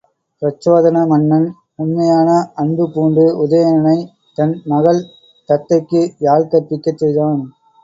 பிரச்சோதன மன்னன், உண்மையான அன்பு பூண்டு உதயணனைத் தன் மகள் தத்தைக்கு யாழ் கற்பிக்கச் செய்தான்.